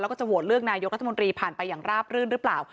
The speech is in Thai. แล้วก็จะโหวตเลือกนายกรัฐมนตรีผ่านไปอย่างราบรื่นหรือเปล่า